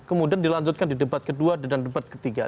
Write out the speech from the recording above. kemudian dilanjutkan di debat kedua dan debat ketiga